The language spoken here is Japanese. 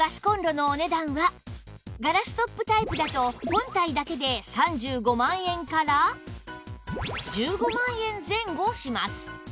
ガラストップタイプだと本体だけで３５万円から１５万円前後します